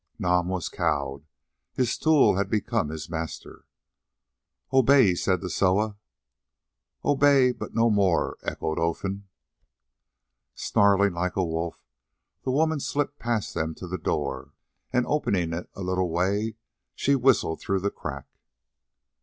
Nam was cowed: his tool had become his master. "Obey," he said to Soa. "Obey, but no more," echoed Olfan. Snarling like a wolf, the woman slipped past them to the door, and opening it a little way, she whistled through the crack.